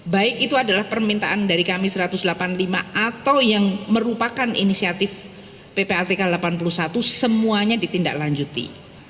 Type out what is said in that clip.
baik itu adalah permintaan dari kami satu ratus delapan puluh lima atau yang merupakan inisiatif ppatk delapan puluh satu semuanya ditindaklanjuti